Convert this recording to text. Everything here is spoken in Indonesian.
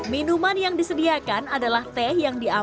minuman yang disediakan adalah teh yang diakui